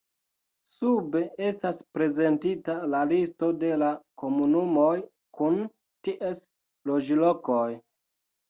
Sube estas prezentita la listo de la komunumoj kun ties loĝlokoj.